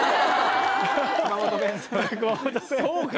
そうか？